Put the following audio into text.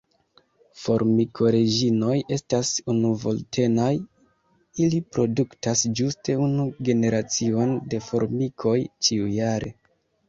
Formikoreĝinoj estas unuvoltenaj (ili produktas ĝuste unu generacion de formikoj ĉiujare).